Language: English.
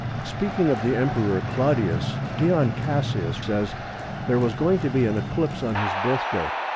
Speaking of the Emperor Claudius, Dion Cassius says:—"There was going to be an eclipse on his birthday.